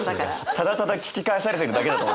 ただただ聞き返されてるだけだと。